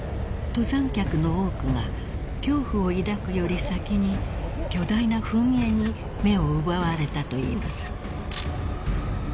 ［登山客の多くが恐怖を抱くより先に巨大な噴煙に目を奪われたといいます］